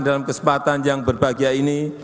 dalam kesempatan yang berbahagia ini